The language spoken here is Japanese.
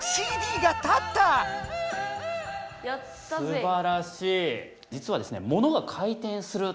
すばらしい！